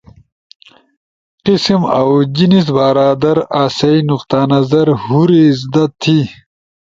قسم اؤ جنس بارا در آسئی نقطہ نظر ہور ازدا تھی۔